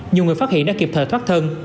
nhiều người phát hiện đã kịp thời thoát thân